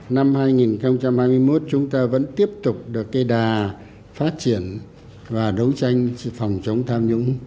năm hai nghìn hai mươi một chúng ta vẫn tiếp tục được cây đà phát triển và đấu tranh phòng chống tham nhũng